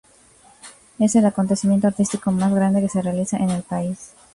Es el acontecimiento artístico más grande que se realiza en el país.